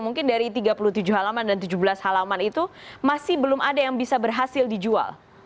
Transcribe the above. mungkin dari tiga puluh tujuh halaman dan tujuh belas halaman itu masih belum ada yang bisa berhasil dijual